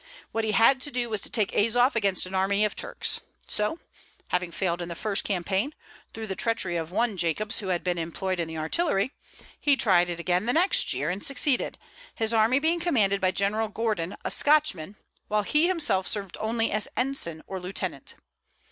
What he had to do was to take Azof against an army of Turks. So, having failed in the first campaign, through the treachery of one Jacobs who had been employed in the artillery, he tried it again the next year and succeeded, his army being commanded by General Gordon, a Scotchman, while he himself served only as ensign or lieutenant.